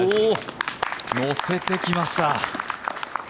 乗せてきました。